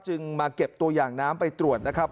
มาเก็บตัวอย่างน้ำไปตรวจนะครับ